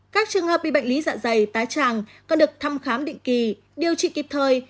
các trường hợp bị bệnh lý dạ dày tái tràng còn được thăm khám định kỳ điều trị kịp thời